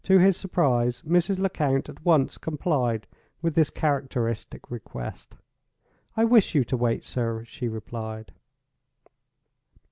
To his surprise; Mrs. Lecount at once complied with this characteristic request. "I wish you to wait, sir," she replied.